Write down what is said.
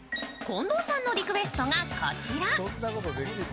近藤さんのリクエストが、こちら。